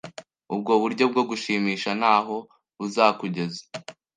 Ubwo buryo bwo gushimisha ntaho buzakugeza